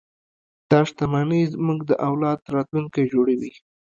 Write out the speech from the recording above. دا شتمنۍ زموږ د اولاد راتلونکی جوړوي.